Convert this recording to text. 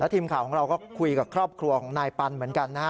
ทีมข่าวของเราก็คุยกับครอบครัวของนายปันเหมือนกันนะฮะ